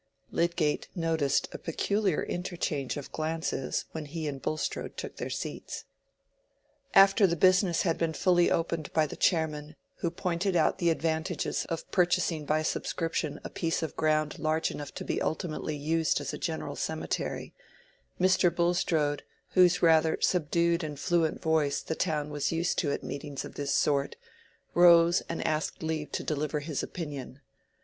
Lydgate noticed a peculiar interchange of glances when he and Bulstrode took their seats. After the business had been fully opened by the chairman, who pointed out the advantages of purchasing by subscription a piece of ground large enough to be ultimately used as a general cemetery, Mr. Bulstrode, whose rather high pitched but subdued and fluent voice the town was used to at meetings of this sort, rose and asked leave to deliver his opinion.